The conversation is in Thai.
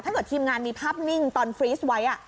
ทีมงานมีภาพนิ่งตอนฟรีสไว้